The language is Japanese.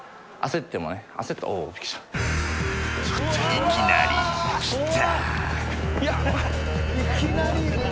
いきなり来た。